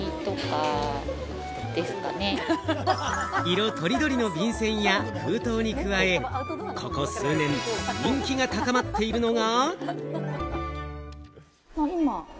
色とりどりの便せんや封筒に加え、ここ数年、人気が高まっているのが。